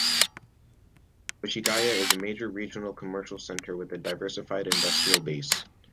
Koshigaya is a major regional commercial center with a diversified industrial base.